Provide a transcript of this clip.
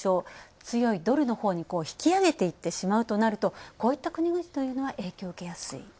強いドルのほうに引き上げていってしまうということになるとこういった国が影響を受けやすい。